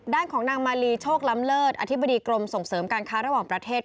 ด้านของนางมาลีโชคล้ำเลิศอธิบดีกรมส่งเสริมการค้าระหว่างประเทศ